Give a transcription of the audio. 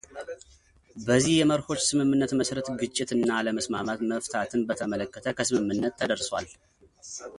በዚህ የመርሆዎች ስምምነት መሰረት ግጭት እና አለመስማማት መፍታትን በተመለከተ ከስምምነት ተደርሷል